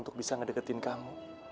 untuk bisa ngedeketin kamu